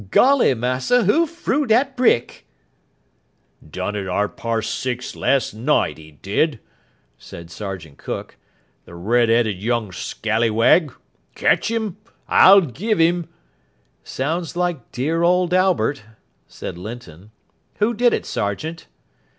Golly, massa, who frew dat brick?" "Done it at ar parse six last night, he did," said Sergeant Cook, "the red 'eaded young scallywag. Ketch 'im I'll give 'im " "Sounds like dear old Albert," said Linton. "Who did it, sergeant?"